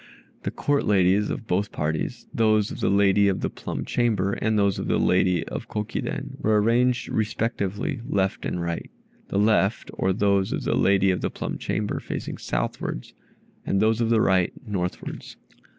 The Court ladies of both parties those of the lady of the plum chamber, and those of the lady of Kokiden were arranged respectively left and right, the left, or those of the lady of the plum chamber, facing southwards, and those of the right, northwards.